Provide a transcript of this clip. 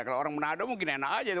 kalau orang menado mungkin enak aja